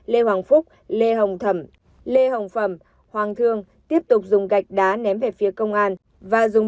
lê hoàng phúc lê hồng phẩm hoàng thương tiếp tục dùng gạch đá ném về phía công an và dùng